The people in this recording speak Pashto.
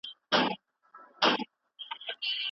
د ښکلې ټولنې لپاره، باید د ټولو تمایلاتو ته رالنډ سي.